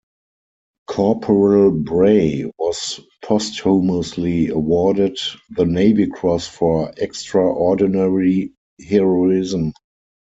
Corporal Bray was posthumously awarded the Navy Cross for extraordinary heroism.